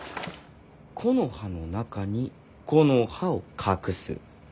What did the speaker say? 「木の葉の中に木の葉を隠す」か。